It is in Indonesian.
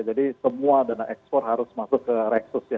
jadi semua dana ekspor harus masuk ke reksus ya